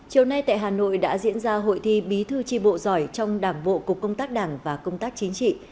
chiều nay tại hà nội đã diễn ra hội thi bí thư tri bộ giỏi trong đảng bộ cục công tác đảng và công tác chính trị